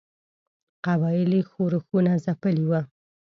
قبایلي ښورښونه ځپلي وه.